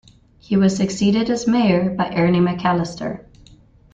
He was succeeded as mayor by Ernie McAlister.